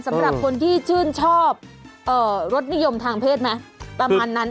สำหรับคนที่ชื่นชอบรสนิยมทางเพศไหมประมาณนั้น